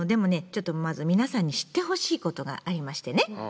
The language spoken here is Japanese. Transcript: ちょっとまず皆さんに知ってほしいことがありましてね。